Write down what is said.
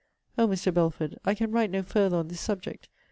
O Mr. Belford! I can write no further on this subject.